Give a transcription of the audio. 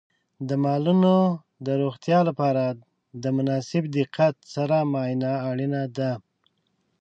د مالونو د روغتیا لپاره د مناسب دقت سره معاینه اړینه ده.